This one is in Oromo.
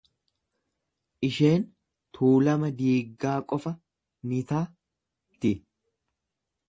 Isheen tuulama diiggaa qofa ni ta'ti.